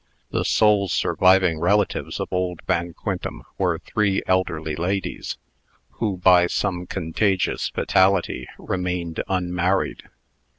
The sole surviving relatives of old Van Quintem were three elderly ladies, who, by some contagious fatality, remained unmarried.